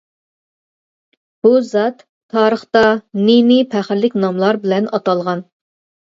بۇ زات تارىختا نى-نى پەخىرلىك ناملار بىلەن ئاتالغان.